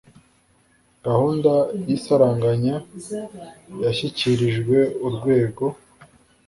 gahunda y isaranganya yashyikirijwe Urwego